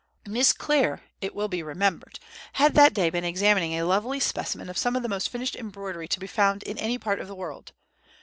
Miss Clare, it will be remembered, had that day been examining a lovely specimen of some of the most finished embroidery to be found in any part of the world.